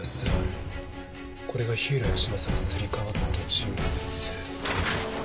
これが火浦義正がすり替わった人物。